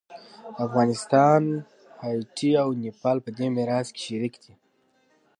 افغانستان، هایټي او نیپال په دې میراث کې شریک دي.